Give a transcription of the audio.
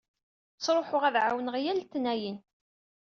Ttruḥuɣ ad ɛummeɣ yal letniyen.